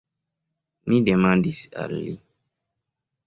Mi demandis al li.